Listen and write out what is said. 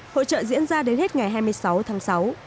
hội trợ diễn ra đến hết ngày hai mươi sáu tháng sáu